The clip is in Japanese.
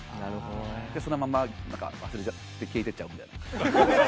でそのまま忘れちゃって消えてっちゃう。